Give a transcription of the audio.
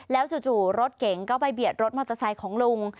แล้วจู่รถเก๋งก็ไปเบียดรถมอเตอร์ไซค์ของลุง